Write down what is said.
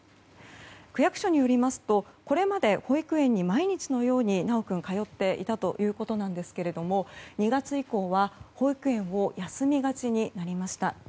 区役所によりますとこれまで保育園に毎日のように修君通っていたということですが２月以降は保育園を休みがちになりました。